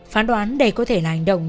phán đoán đây có thể là hành động